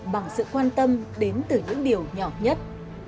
bằng sự quan tâm đến từ những điều nhỏ nhất